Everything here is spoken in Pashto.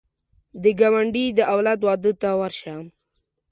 د ګاونډي د اولاد واده ته ورشه